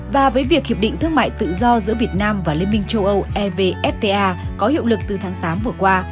và với việc hiệp định thương mại tự do giữa việt nam và liên minh châu âu evfta có hiệu lực từ tháng tám vừa qua